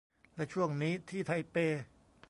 และช่วงนี้ที่ไทเป